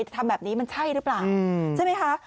ทำแบบนี้มันใช่หรือเปล่าใช่ไหมคะ